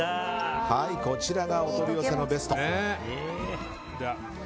こちらがお取り寄せのベスト。